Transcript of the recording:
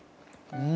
うん！